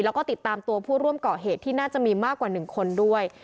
แล้วก็ติดตามตัวผู้ร่วมเกาะเหตุที่น่าจะมีมากกว่า๑คนด้วย